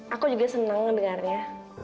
aku juga seneng dengarnya